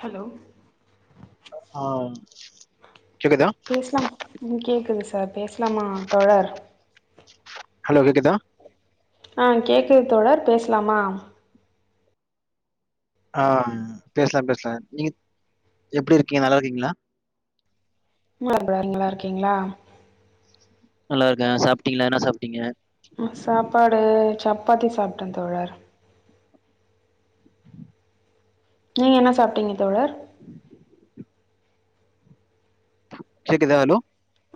Hello ஆ கேக்குதா பேசலாம் ம் கேக்குது சார் சார் பேசலாமா தோழர் ஹலோ கேக்குதா ஆ கேக்குது தோழர் பேசலாமா ஆ பேசலா பேசலா நீங்க எப்டி இருக்கீங்க நல்லா இருக்கீங்ளா [unintelligible] நீங்க நல்லா இருக்கீங்களா நல்லா இருக்கே சாப்ட்டீங்ளா என்ன சாப்ட்டீங்க சாப்பாடு சப்பாத்தி சாப்ட்டேன் தோழர் நீங்க என்ன சாப்ட்டீங்க தோழர் கேக்குதா ஹலோ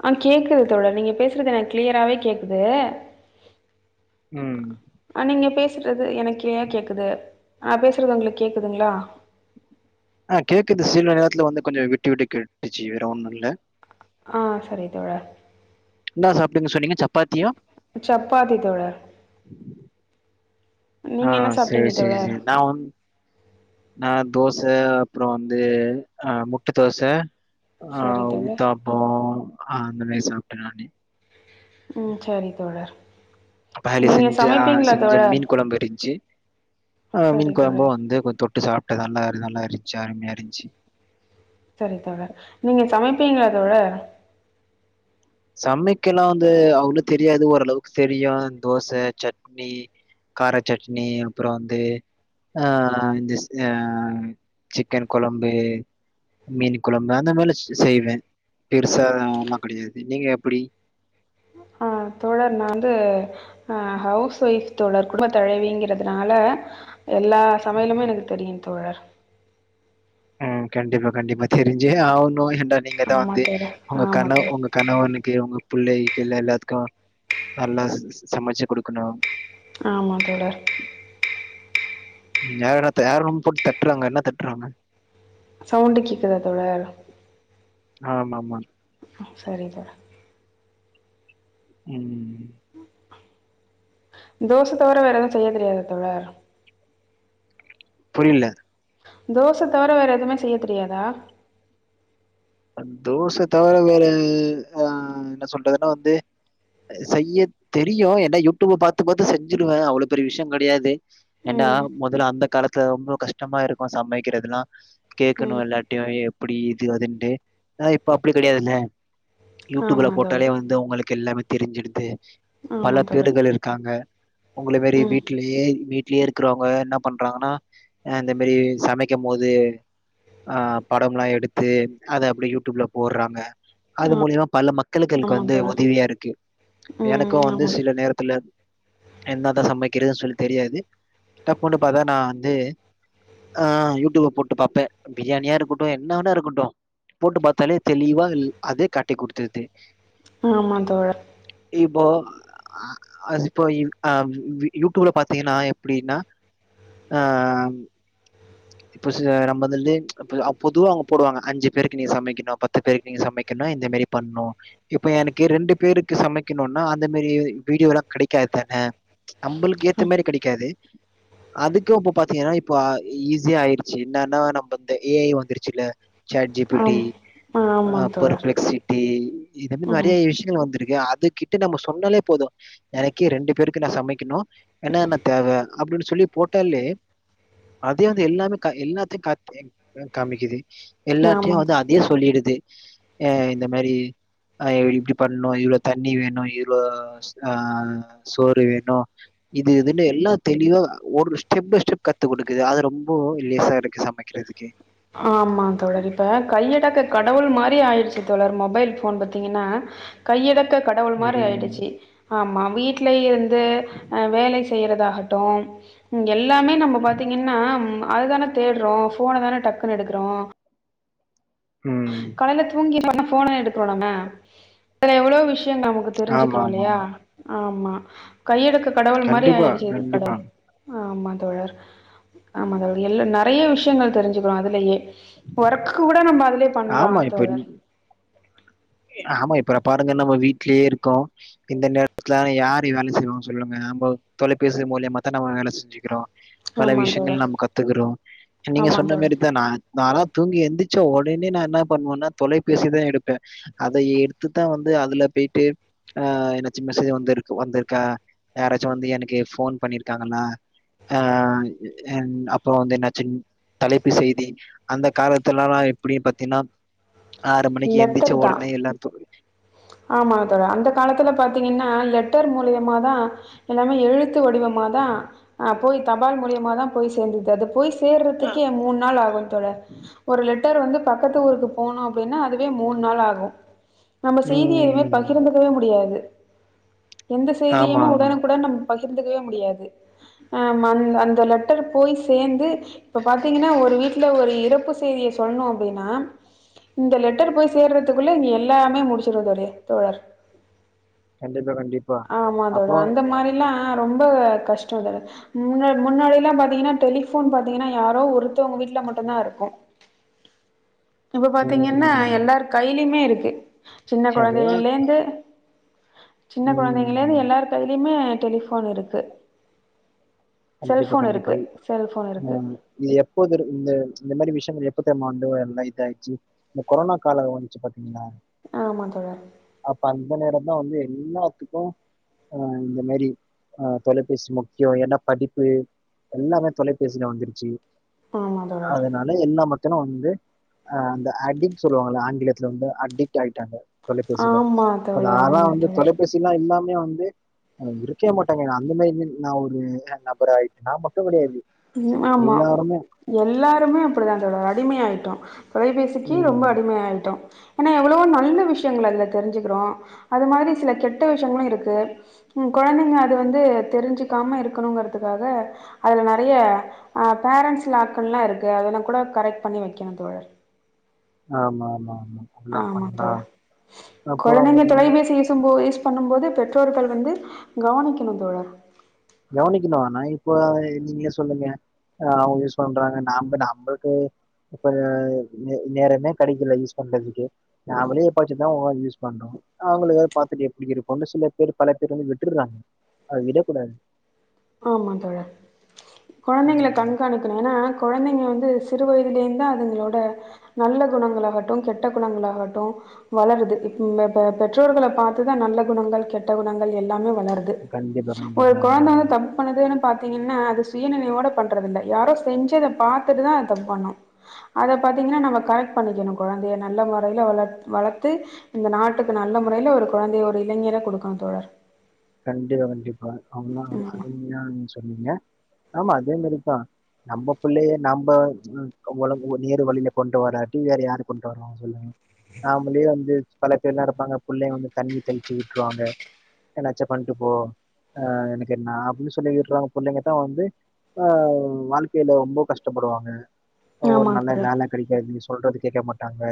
ஆ கேக்குது தோழர் நீங்க பேசிறது எனக்கு கிளியராவே கேக்குது ம் ஆ நீங்க பேசுறது எனக்கே கேக்குது நா பேசுறது உங்களுக்கு கேக்குதுங்ளா ஆ கேக்குது சில நேரத்துல வந்து கொஞ்ச விட்டு விட்டு கேட்டுச்சு வேற ஒன்னு இல்ல ஆ சரி தோழ என்ன சப்படேங்க சொன்னீங்க சா சப்பாத்தி தோழ ஆ சரி சரி சரி நா வந் ந தோச அப்புறம் வந்து அ முட்ட தோச ஆ சரி தோழர் ஊத்தாப்ப ஆ அந்த மாதிரி சாப்பிட்ட நானே உம் சரி தோழர் பலி நீங்க செஞ்ச சமைப்பீங்களா செஞ்ச தோழர் மீன் குழம்பு இருஞச்சு ஆஹ் மீன் சரி குழம்பு தோழர் வந்து கொஞ்ச தொட்டு சாப்பிட்ட நல்லா நல்லா இருந்துச்சு அருமையா இருந்துச்சு சரி தோழர் நீங்க சமைப்பீங்களா தோழர் சமைக்கல்லா வந்து அவ்ளவு தெரியாது ஓரளவுக்கு தெரியு தோச சட்னி கார சட்னி அப்புறம் வந்து ஆ இந்த ஆ சிக்கன் கொழம்பு மீன குழம்பு அந்த மாதல செய்வேன் பெருசா எல்லா கிடையாது நீங்க எப்படி ஆ தோழர் நா வந்து அ ஹவுஸ் வைஃப் தோழர் குடும்ப தழவிங்கிறதுனால எல்லா சமையலுமே எனக்கு தெரியு தோழர் உம் கண்டிப்பா கண்டிப்பா தெரிஞ்ஜே அவனு நீங்க தா ஆமா வந்து தோழர் உங்க ஆமா கணவ தோழர் உங்க கணவனுக்கு உங்க பிள்ளை கீல்ல எல்லாத்துக்கு நல்லா சமைச்சு கொடுக்கணு ஆமா தோழர் ய யார போட்டு தட்டுறாங்க என்ன தட்டுறாங்க சவுண்டு கேக்குத தோழர் ஆமா மா செரி தோழர் உம் தோச தவிர வேற எதுவு செய்ய தெரியாதா தோழர் புரில தோச தவிர வேற எதுமே செய்ய தெரியாதா தோச தவிர வேற ஆ என்ன சொல்றதுன்னா வந்து செய்ய தெரியு ஏனா யூட்யூப்ப பாத்து பாத்து செஞ்சுடுவ அவ்ளோ பெரிய விஷ்யோ கெடையாது என்ன ம் மொதல்ல அந்த காலத்துல ரொம்ப கஷ்டமா இருக்கூ சமைக்கிறதெல்லா ம் கேட்கணு எல்லாட்டையு ஏ எப்டி இது அதுன்ட்டு ஆ இப்ப அப்டி கெடையாதுல்ல யூ ட்யூப்ல ஆமா போட்டாலே தோழர் வந்து உங்களுக்கு எல்லா தெரிஞ்சுருது ஆமா பல தோழர் பேர்கள் இருக்காங்க உங்கள மாரி ம் வீட்லயே வீட் லயே இருக்குறவங்க என்ன பண்றாங்கன்னா இந்த மாரி சமைக்கூ போது ஆ படம்லா எடுத்து அத அப்டி யூ ட்யூப்ல போட்றாங்க அது மூலியமா பல மக்களுக்களுக்கு ஆமா வந்து தோழர் உதவியாருக்கு எனக்கூ ம் வந்து ஆமா தோழர் சில நேரத்துல என்ன தா சமைக்கிறதுன்னு சொல்லி தெரியாது டப்புன்னு பாத்தா நா வந்து ஆ யூ ட்யூப் போட்டு பாப்பே பிரியாணியா இருக்கட்டூ என்னவேனா இருக்கட்டூ போட்டு பாத்தாலே தெளிவா எல் அதே காட்டி குடுத்துருது ஆமா தோழர் இப்போ ஆ இப்போ ஆ ம் யூ ட்யூப்ல பாத்தீங்கன்னா எப்டின்னா ஆ இப்ப சில நம்மதுலே இப்ப பொதுவா அவுங்க போடுவாங்க அஞ்சு பேருக்கு நீ சமைக்கணு பத்து பேருக்கு நீங்க சமைக்கணு இந்த மாரி பண்ணு இப்ப எனக்கு ரெண்டு பேருக்கு சமைக்கணுனா அந்த மாரி வீடியோலா கெடைக்காதா நம்ளுக்கு ஏத்த ஆ மாரி கெடைக்காது அதுக்கூ இப்ப பாத்தீங்கன்னா இப்ப ஈஸி ஆயிருச்சு என்னன்னா நம்ப இந்த ஏ ஐ வந்துருச்சுல சாட் ஜீ பி ஆம் டி ஆமா ஆ தோழர் பர்ப்ளக்சிட்டி இது மாரி ம் நெறைய ஏ ஐ விஷ்யங்கள் வந்திருக்கு அது கிட்ட நம்ம சொன்னாலே போது எனக்கு ரெண்டு பேருக்கு நா சமைக்கணு என்னனென்ன தேவ அப்டின்னு சொல்லி போட்டாலே அதே எல்லாமே கா எல்லாத்தையு கா காமிக்குது ஆமா எல்லாத்தையு வந்து தோழர் அதையே சொல்லிடுது ஆ இந்த மாரி ஆ இப்டி பண்ணு இவ்ளோ தண்ணி வேணு இவ்ளோ ஆ சோறு வேணு இது இதுன்னு எல்லா தெளிவா ஒரு ஸ்டெப் பை ஸ்டெப் கத்து குடுக்குது அது ரொம் போ யூசா இருக்கு சமைக்கிறதுக்கே ஆமா தோழர் இப்ப கையடக்க கடவுள் மாரி ஆயிருச்சு தோழர் மொபைல் ஃபோன் பாத்தீங்கன்னா கையடக்க கடவுள் மாரி ஆயிடுச்சி ஆமா வீட்லயே இருந்து வேலை செய்றதாகட்டூ இங்க எல் எல்லாமே நம்ம பாத்தீங்கன்னா அதுதான தேட்றோ ஃபோன தான டக்குன்னு எடுக்குறோ ம் காலைல தூங்கி [unintelligible] ஃபோன எடுக்குறோ நம்ம வேற எவ்ளோ விஷ் யோ நமக்கு ஆமா தெரிஞ்சுக்குறோ ஆமா இல்லயா ஆமா கையடக்க கடவுள் மாரி கண்டிப்பா ஆயிடுச்சு இது கட கண்டிப்பா ஆமா தோழர் ஆமாங்க எல்லா நெறைய விஷ்யங்கள் தெரிஞ்சுக்குறோ அதுலயே ஒர்க் கூட நம்ப ஆமா இப்ப ஆமா இப்ப பாருங்க நம்ம வீட்லயே இருக்கோ இந்த நேரத்துல யாரு வேல செய்வாங்க சொல்லுங்க நம்ம தொலைபேசி மூலியமா தா நம்ம வேல செஞ்சுக்கிறோ பல ஆமா விஷயங்கள் தோழர் நம்ம கத்துக்குறோ நீங்க ஆமா சொன்ன தோழர் மாரி தா நா நாலா தூங்கி எந்திச்ச ஒடனே நா என்ன பண்ணுவேன்னா தொலைபேசிதா எடுப்ப அத எடுத்துதா வந்து அதுல பேய்ட்டு ஆ எதாச்சு மெசேஜ் வந்திரு வந்திருக்கா யாராச்சு வந்து எனக்கு ஃபோன் பண்ணிருக்காங்களா அ என் அப்புற வந்து என்னாச்சிங் தலைப்பு செய்தி அந்த காலத்துலல்லா எப்டி பாத்தீனா ஆறு மணிக்கு எந்திச்சு ஒட ஆமா தொழ அந்த காலத்துல பாத் திங்கன்னா லெட்டர் மூலியமா தா எல்லாமே எழுத்து வடிவமா தா போய் தபால் மூலி த்தியமா தா போய் சேர்ந்துது அது போய் சே சேர்றதுக்கே மூணு நாள் ஆகு தோழர் ஒரு லெட்டர் வந்து பக்கத்து ஊருக்கு போனு அப்பன்னா அதுவே மூணு நாள் ஆகு நம்ம செய்தி எதுவுமே ம். பகிர்ந்துக்கவே முடியாது எந்த ஆமா, செய்தியுமே ஆமா. உடனுக்குட நம்ம பகிர்ந்துக்கவே முடியாது ஆ அந்த லெட்டர் போய் சேந்து இப்ப பாத்தீங்கன்னா ஒரு வீட்ல ஒரு இறப்பு செய்திய சொல்ணு அப்டின்னா இந்த லெட்டர் போய் சேர்றதுக்குள்ள இங்க எல்லாமே முடிச்சிரு தடை தோழர் கண்டிப் ஆமா தோழ அந்த மாரிலா ரொம்ப கஷ்ட தோழ முன்னாடியல்லா பாத்தீங்கன்னா டெலிபோன் பாத்தீங்கன்னா யாரோ ஒருத்தவங் வீட்ல மட்டுந்தா இருக்கு இப்ப பாத்தீங்கன்னா ம். எல்லார் கையிலயுமே இருக்கு சின்ன எல்லாம் கொழந்தைகலேந்து சின்ன கொழந்தைகலிந்து ம். எல்லார் கையிலயுமே டெலிபோன் இருக்கு கண்டிப்பா செல்ஃபோன் கண்டிப்பா இருக்கு. செல்ஃபோன் இருக்கு. ம் இது எப்போ இந்த இந்த மாரி விஷய எப்ப தெரியுமா இத ஆச்சு இந்த கொரோனா கால வந்துச்சு பாத்தீங்கனா ஆமா தோழர் நேரம் வந்து எல்லாத்துக்கு இந்த மாரி தொலைபேசி முக்கியோ என்ன படிப்பு எல்லாமே தொலைபேசியில வந்துருச்சு ஆமா தோழர். அதனால எல்லா மக் இத்தன வந்து அ அந்த அடிக் சொல்லுவாங்கள ஆங்கிலத்துல வந்து அடிக்ட் ஆயிட்டாங்க தொலைபேசியில ஆமா இப்ப தோழர். நானா ஆமா வந்து தோழர். தொலைபேசி எல்லா இல்லாம வந்து இருக்கவே மாட்டாங்க அந்த மாரி நா ஒரு நபர ஆயிட்டே நான் மட்டு கெடையாது ஆமா எல்லாருமே அப்டிதா தோழர் அடிமை ஆயிட்டோ தொலைபேசிக்கு ரொம்ப ம், அடிமைய ஆயிட்டோ ஏனா எவ்ளோ நல்ல விஷயங்கள் அதுல தெரிஞ்சுக்கிறோ அது மாரி சில கெட்ட விஷ்யங்களு இருக்கு ம் கொழந்தைங்க அது வந்து தெரிஞ்சக்காம இருக்கணுங்கறதுக்காக அதுல நறைய அ பேரண்ட்ஸ் லாக்கல்லா இருக்கு அதெல்லா கூட கரெக்ட் பண்ணி வெக்கணு தோழர் ஆமாமா ஆமா தோழர் அப்புறம் கொழந்தைங்க தொலை பாத்தீங்கன்னா பேசி யூசும்போ யூஸ் பண்ணு போது பெற்றோர்கள் வந்து கவனிக்கணு தோழர் கவனிக்கணு ஆனா இப்ப நீங்களே சொல்லுங்க ஆ அவங்க யூஸ் பண்றாங்க நாம நம்மளுக்கு இப்ப நே நேரமே கெடைக்கல யூஸ் பண்றதுக்கு நாமளே எப்பாச்சு தா யூஸ் பண்றோ அவங்களுக்கு அது பாத்துட்டு எப்படி இருக்குன்ட்டு சில பேர் பல பேர் வந்து விட்டுறாங்க அத விடக்கூடாது ஆமா தோழர் கொழந்தைங்கள ம், கண்காணிக்கணு ஏனா கொழந்தைங்க வந்து சிறு வயத்திலிருந்தே அதுங்களோட நல்ல குணங்களாகட்டு கெட்ட குணங்களாகட்டு வளருது ம் ப்பே பெற்றோர்கள பாத்துதா நல்ல குணங்கள் கெட்ட குணங்கள் எல்லாமே வளருது கண்டிப்பா ஒரு கண்டிப்பா ஆமா கொழந்த வந்து ஆமா தப் புணு பாத்தீங்கன்னா அது சுயநினைவோட பண்றது இல்ல யாரோ செஞ்சது பாத்துட்டுதா அது தப்புபண்ணு அத பாத்தீங்கன்னா நம்ம கரெட் பண்ணிக்கணு கொழந்தைய நல்ல முறையில வள வளத்தி இந்த நாட்டுக்கு நல்ல முறை ல்ல ஒரு கொழந்தைய ஒரு இளைஞர குடுக்கணு தோழர் கண்டிப்பா கண்டிப்பா [unintelligible] அருமையா ஒன்னு சொன்னீங்க ஆமா அதே மாரிதா நம்ம புள்ளைய நம்ப ஒழகு நேரு வழியில கொண்டு வராட்டி வேற யாரு கொண்டு வருவாங்க சொல்லுங்க நாமளே வந்து பல பேர்ல்லா இருப்பாங்க புள்ளைய வந்து தண்ணி தெளிச்சி விட்ருவாங்க என்னாச்சு பண்ட்டு போ ஆ எனக்கு என்னா அப்டின் சொல்லி விட்றவங்க புள்ளைங்க தா வந்து ஆ வாழ்க்கையில ரொம்ப கஷ்டப்படுவாங்க ஒரு ஆமா நல்ல தோழர் வேல கெடைக்காது சொல்றது கேக்க மாட்டாங்க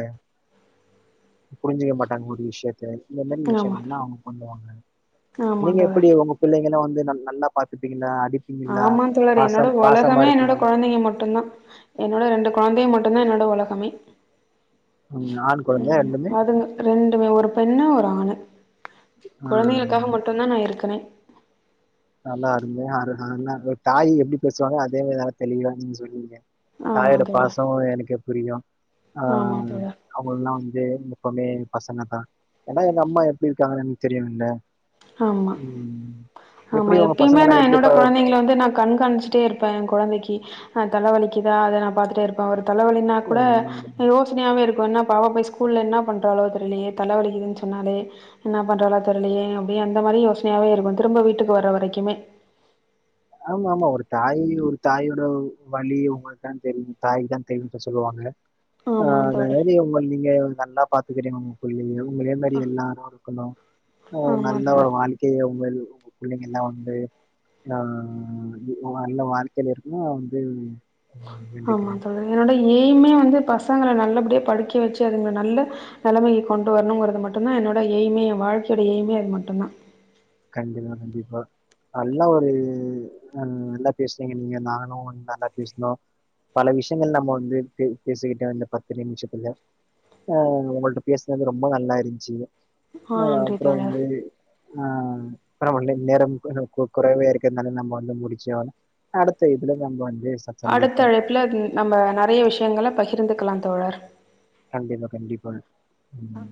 புரிஞ்சுக்க மாட்டாங்க ஒரு விஷ்யத்த இந்த மெரி ஆமா விஷ்யகள்ல்லா அவங்க பண்ணுவாங்க ஆமா நீங்க தோழர் எப்பிடி உங்க புள்ளை நீங்ளா வந்து நல் நல்லா பாத்திப்பீங்ளா அ ஆமா தோழர் என்னோட ஒலகமே என்னோட இருப்பீங்களா? கொழந்தைங்க மட்டுந்தா என்னோட ரெண்டு கொழந்தய மட் [unintelligible] என்னோட ஒலகமே ம் ஆண் கொழந்த ம் ரெண்டுமே அதுங்க ரெண்டுமே ஒரு பெண்ணு ஒரு ஆணு ஆ. கொழந்தகளுக்காக மட்டுந்தா நா இருக்கனே நல்லா அருமையா [unintelligible] ஒரு தாயி எப்டி பேசுவாங்ளோ அதே மாரி நல்லா தெளிவா நீங்க சொல்லுறிங்க ஆமா தாயோட தோழர் பாசோ எனக்கு புரியு ஆ ஆமா தோழர் அவுங்கல்லா வந் து எப்போமே பசங்கதா ஏனா எங்க அம்மா எப்டி இருக்காங்கன் எனக்கு தெரியு இல்ல ஆமா ம் ஆமா எப்பயிமே நா என்னோட கொழந்தங்கள வந்து நா கண்காணிச்சிட்டே இருப்பே எ கொழந்தைக்கி அ தலவலிக்கிதா அத நா பாத்துட்டேருப்பே ஒரு தலவலினா கூட உம் யோஸ்னையாவே இருக்கு என்னா பாவோ போயி ஸ்கூல்ல என்னா பண் றாளோ தெரியிலியே தல வலிக்கிதுனு சொன்னாலே என்ன பண்றாளோ தெரிலியே அந்த மாரி யோஸ்னையாவே இருக்கு திரும்ப வீட்டுக்கு வர்ற வரக்கிமே ஆமாமா ஒரு தாயி ஒரு தாயோட வலி உங்களுக்கு தா தெரியு தாயிக்கு தா தெரியுன்டு சொல்லுவாங்க ஆ ஆமா தோழர் [unintelligible] உங்கள் நீங்க நல்லா பாத்துக்கறீங்க உங்க புள்ளியோ இதேமேரி எல்லாரு இருக்குணு அ ஆமா நல்லா ஒரு தோழர் வாழ்க்கைய உங்கள் உங்க புள்ளைங்க எல்லா வந்து ஆ நல்ல வாழ்க்கைல இருக்கணு அவ வந்து ம், ஆமா வேண்டிக்கிறேன் தோழர் என்னோட ஏய்மே வந்து ப சங்கள நல்லபடியா படிக்க வச்சி அதுங்க நல்ல நெலமைய கொண்டு வரணுங்குறது மட்டுந்தா என்னோட ஏய்மே எ வாழ்க் கையோட ஏய்மே அது மட்டுந்தா கண்டிப்பா கண்டிப்பா நல்லா ஒரு அ நல்லா பேஸ்றீங்க நீங்க நானு நல்லா பேஸ்னோ பல விஷ்யங்கள் நம்ம வந்து பே பேசிகிட்டோ இந்த பத்து நிம்ஷத்துல ஆஹ் ஒங்கள்ட்ட பேஸ்னது ரொம்ப நல்லா இருந்ச்சுங்க ஆ ஆஹ் நன்றி அப்றோ தோழர் வந்து ஹ மேடம் இல்லிங் மேடம் நேரம் மேடம் இல்லிங்க மேடம் கொஞ்சோ கொ கொறைவா இருக்கர்னால நம்ம வந்து முடிச்சி அவனோ அடுத்த இதுல நம்ம வந் அடுத்த அழைப்புல நம்ம நெறைய விஷயங்கள பகிர்ந்துக்களா தோழர் கண்டிப்பா கண்டிப்பா உம்